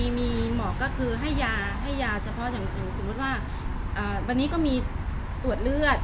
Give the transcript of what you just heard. มีหมอกก็คือให้ยาให้ยาเฉพาะอย่างสมมุติว่าวันนี้ก็มีตรวจเลือด